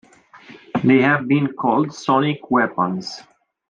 They have been called "sonic weapons".